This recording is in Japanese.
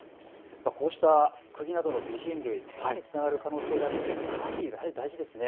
こうしたくぎなどの備品類、けがにつながる可能性があるので管理が大事ですね。